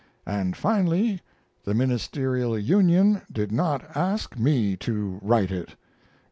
And finally, the Ministerial Union did not ask me to write it.